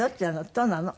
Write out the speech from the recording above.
「と」なの？